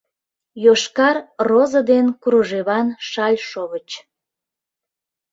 Йошкар роза ден кружеван шальшовыч